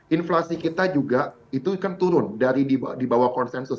inflasi kita juga itu kan turun dari di bawah konsensus